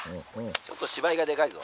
ちょっと芝居がでかいぞ」。